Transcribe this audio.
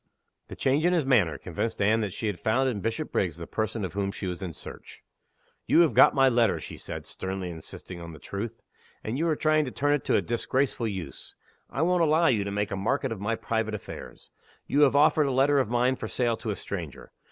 The change in his manner convinced Anne that she had found in Bishopriggs the person of whom she was in search. "You have got my letter," she said, sternly insisting on the truth. "And you are trying to turn it to a disgraceful use. I won't allow you to make a market of my private affairs. You have offered a letter of mine for sale to a stranger.